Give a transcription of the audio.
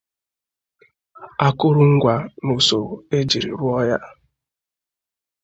akụrụngwa na usoro e jiri rụọ ya